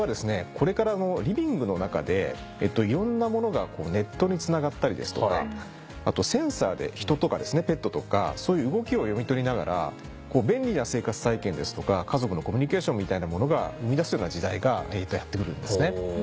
これからリビングの中でいろんなものがネットにつながったりですとかあとセンサーで人とかペットとかそういう動きを読み取りながら便利な生活体験ですとか家族のコミュニケーションみたいなものが生み出すような時代がやって来るんですね。